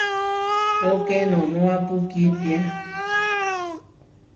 Póke noʼnoápu kítia.